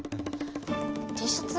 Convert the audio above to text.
Ｔシャツ？